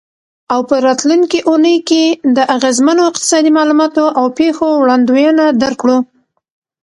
او په راتلونکې اونۍ کې د اغیزمنو اقتصادي معلوماتو او پیښو وړاندوینه درکړو.